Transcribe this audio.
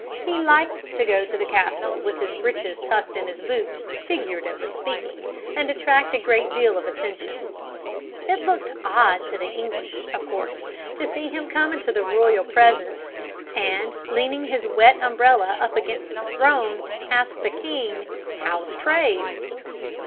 He liked to go to the castle with his breeches tucked in his boots, figuratively speaking, and attract a great deal of attention. It looked odd to the English, of course, to see him come into the royal presence, and, leaning his wet umbrella up against the throne, ask the king, "How's trade?"